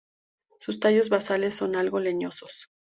Sus tallos basales son algo leñosos.